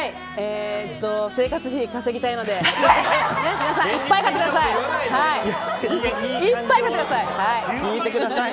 生活費稼ぎたいので皆さんいっぱい買ってください。